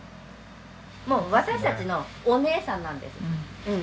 もう私たちのお姉さんなんです。